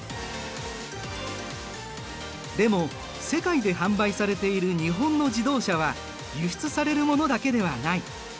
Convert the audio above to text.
でも世界で販売されている日本の自動車は輸出されるものだけではない。